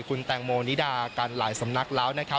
คุณแตงโมนีดากันหลายสำนักแล้ว